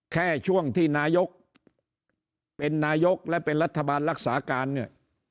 แค่ช่วงที่นายกเป็นนายกและเป็นรัฐบาลรักษาการเนี่ย